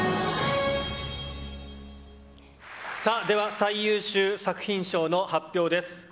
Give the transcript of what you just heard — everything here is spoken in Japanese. では最優秀作品賞の発表です。